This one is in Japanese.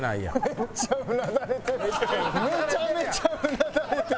めっちゃうなだれてる。